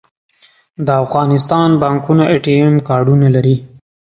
د افغانستان بانکونه اې ټي ایم کارډونه لري